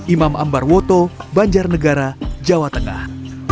imam ambar woto banjarnegara jawa tengah